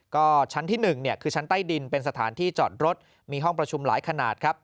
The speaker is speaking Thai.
ก็ชั้นที่๑คือชั้นใต้ดินเป็นสถานที่จอดรถมีห้องประชุมหลายขนาดครับ